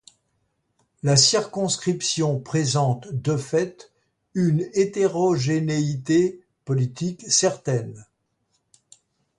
La circonscription présente de fait une hétérogénéité politique certaine.